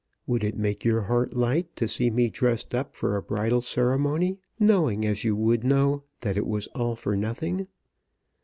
Would it make your heart light to see me dressed up for a bridal ceremony, knowing, as you would know, that it was all for nothing?